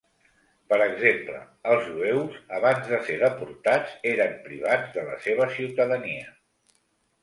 Per exemple, els jueus, abans de ser deportats, eren privats de la seva ciutadania.